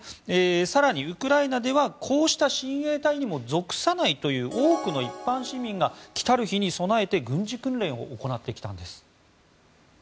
更に、ウクライナではこうした親衛隊にも属さないという多くの一般市民が来る日に備えて軍事訓練を行ってきたんです。